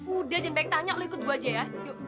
udah jangan baik tanya lo ikut gue aja ya yuk